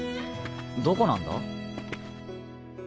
どこなんだ？